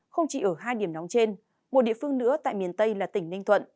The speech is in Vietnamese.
không chỉ ở hai điểm nóng trên một địa phương nữa tại miền tây là tỉnh ninh thuận